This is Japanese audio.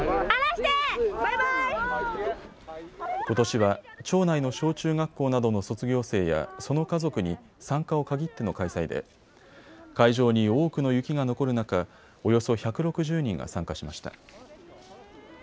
ことしは町内の小中学校などの卒業生やその家族に参加を限っての開催で会場に多くの雪が残る中、およそ１６０人が参加しました。